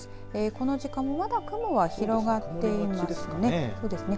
この時間まだ雲は広がっていますね。